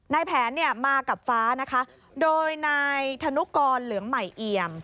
นายแผนเนี่ยมากับฟ้านะคะโดยนายธนุกรเหลืองใหม่เอี่ยม